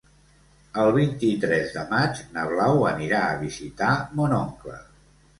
El vint-i-tres de maig na Blau anirà a visitar mon oncle.